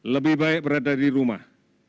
lebih baik berada di rumah